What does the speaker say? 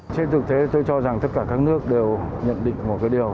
trên thực tế tôi cho rằng tất cả các nước đều nhận định một cái điều